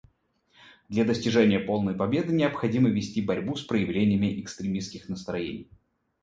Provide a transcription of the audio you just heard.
Для достижения полной победы необходимо вести борьбу с проявлениями экстремистских настроений.